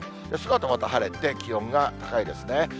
そのあとまた晴れて、気温が高いですね。